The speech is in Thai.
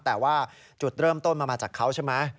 แต่ว่าจุดเริ่มต้นมันมาจากเขาใช่ไหม